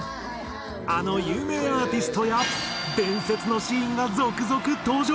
あの有名アーティストや伝説のシーンが続々登場！